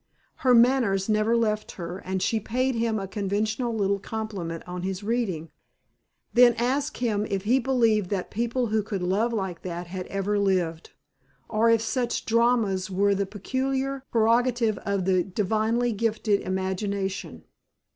Her manners never left her and she paid him a conventional little compliment on his reading, then asked him if he believed that people who could love like that had ever lived, or if such dramas were the peculiar prerogative of the divinely gifted imagination.